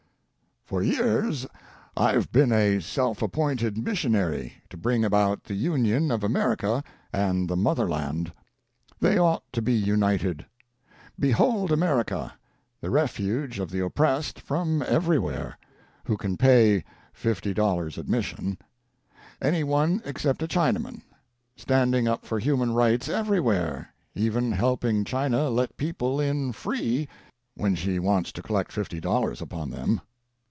FOR years I've been a self appointed mission ary to bring about the union of America and the motherland. They ought to be united. Behold America, the refuge of the oppressed from everywhere (who can pay fifty dollars' admission) — any one except a Chinaman — standing up for human rights everywhere, even helping China let people in free when she wants to collect fifty dollars upon them.